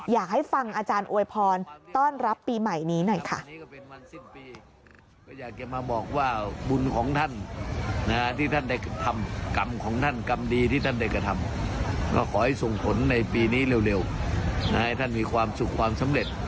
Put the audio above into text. อยากให้ฟังอาจารย์อวยพรต้อนรับปีใหม่นี้หน่อยค่ะ